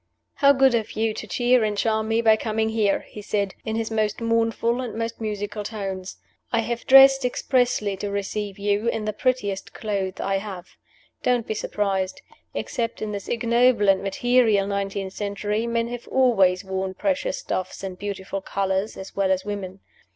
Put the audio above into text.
"How good of you to cheer and charm me by coming here!" he said, in his most mournful and most musical tones. "I have dressed, expressly to receive you, in the prettiest clothes I have. Don't be surprised. Except in this ignoble and material nineteenth century, men have always worn precious stuffs and beautiful colors as well as women.